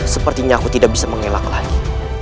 sepertinya aku tidak bisa mengelak lagi